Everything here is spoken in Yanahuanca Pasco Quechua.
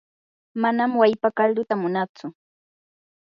manam wallpa kalduta munaatsu.